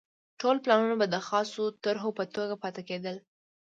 ټول پلانونه به د خامو طرحو په توګه پاتې کېدل